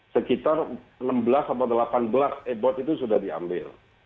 sekitar enam belas atau delapan belas e bot itu sudah diambil